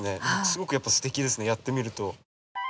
すごくやっぱすてきですねやってみると。